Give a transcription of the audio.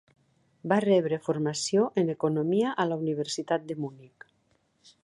Va rebre formació en economia a la Universitat de Munic.